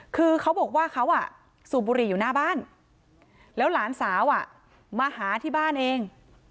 คือเขาบอกว่าเขาสูบบุหรี่อยู่หน้าบ้านแล้วหลานสาวมาหาที่บ้านเอง